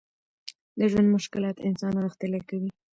د ژوند مشکلات انسان غښتلی کوي.